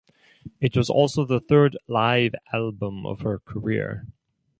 It was also the third live album of her career.